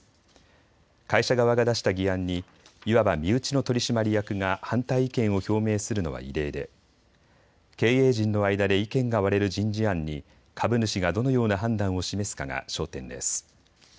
会社側が出した議案にいわば身内の取締役が反対意見を表明するのは異例で経営陣の間で意見が割れる人事案に株主がどのような判断を示すかが焦点です。